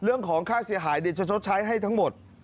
เรื่องของค่าเสียหายเดี๋ยวจะชดใช้ให้ทั้งหมด